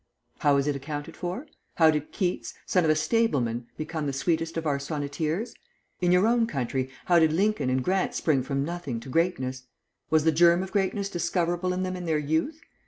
How is it accounted for? How did Keats, son of a stableman, become the sweetest of our sonneteers? In your own country, how did Lincoln and Grant spring from nothing to greatness? Was the germ of greatness discoverable in them in their youth?